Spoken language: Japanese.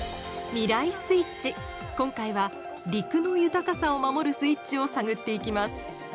今回は「陸の豊かさを守るスイッチ」を探っていきます。